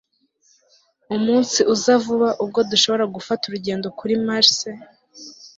Umunsi uza vuba ubwo dushobora gufata urugendo kuri Mars